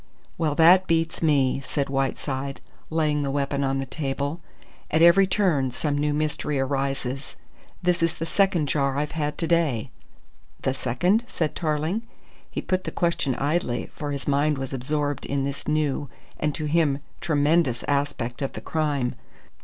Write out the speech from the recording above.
"Well, that beats me," said Whiteside, laying the weapon on the table. "At every turn some new mystery arises. This is the second jar I've had to day." "The second?" said Tarling. He put the question idly, for his mind was absorbed in this new and to him tremendous aspect of the crime.